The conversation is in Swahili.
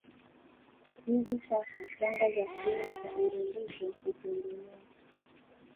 Hivi sasa shanga za kioo cha urembesho hupendelewa